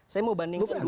saya mau bandingkan